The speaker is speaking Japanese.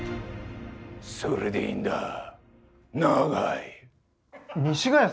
それでいいんだ永井。